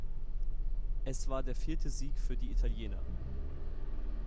Es war der vierte Sieg für die Italiener.